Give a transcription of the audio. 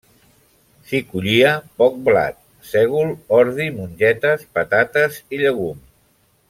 S'hi collia poc blat, sègol, ordi, mongetes, patates i llegum.